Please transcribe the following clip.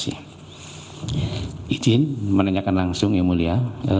izin menanyakan langsung yang mulia